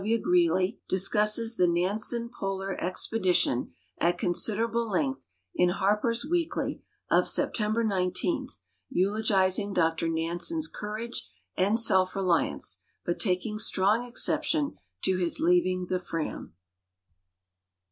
W. Greely discusses the Nansen Polar Expedi tion at considerable length in Harper's Weekly of September 19, eulogizing Dr Nansen's courage and self reliance, but taking strong exception to his leaving the Fram.